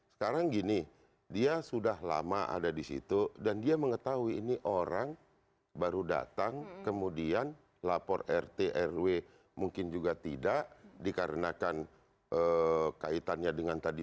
sekarang gini dia sudah lama ada di situ dan dia mengetahui ini orang baru datang kemudian lapor rt rw mungkin juga tidak dikarenakan kaitannya dengan tadi